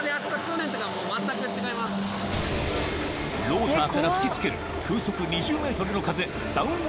ローターから吹き付ける風速２０メートルの風ダウン